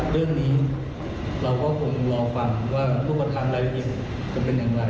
เรื่องนี้เราก็ควรรอฟังว่าพวกประธานรายวิทยุจะเป็นอย่างไร